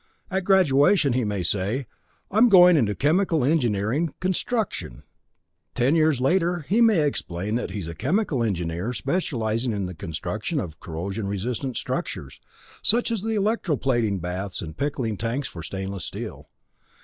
At graduation, he may say, "I'm going into chemical engineering construction." Ten years later he may explain that he's a chemical engineer specializing in the construction of corrosion resistant structures, such as electroplating baths and pickling tanks for stainless steel.